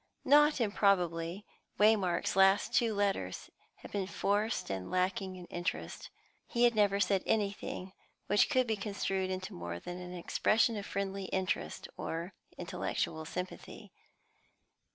Not improbably, Waymark's last two letters had been forced and lacking in interest. He had never said anything which could be construed into more than an expression of friendly interest, or intellectual sympathy.